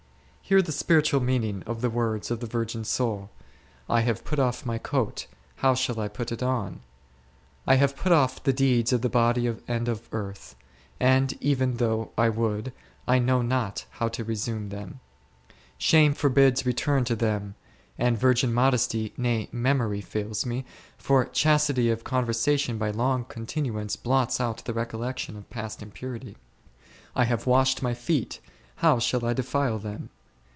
Hear the spiritual meaning of the words of the vir gin soul; / have put off my coat, how shall I put it on ? I have put off the deeds of the body and of earth, and even though I would, I know not how to resume them. Shame forbids return to them, and virgin modesty, nay, memory fails me, for chastity of con versation by long continuance blots out the recollec tion of past impurity. / have washed my feet, how shall I defile them